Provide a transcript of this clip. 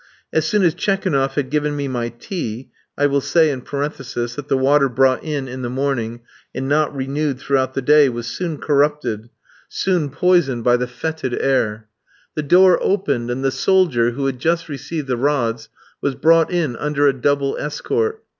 As soon as Tchekounoff had given me my tea (I will say, in parenthesis, that the water brought in in the morning, and not renewed throughout the day, was soon corrupted, soon poisoned by the fetid air), the door opened, and the soldier, who had just received the rods, was brought in under a double escort.